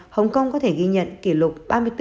hồng kông có thể ghi nhận kỷ lục